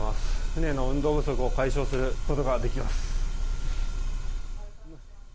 船の運動不足を解消することができます。